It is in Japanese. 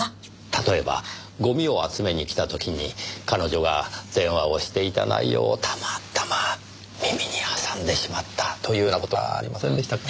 例えばごみを集めに来た時に彼女が電話をしていた内容をたまたま耳に挟んでしまったというような事はありませんでしたか？